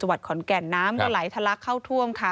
วัดขอนแก่นน้ำก็ไหลทะลักเข้าท่วมค่ะ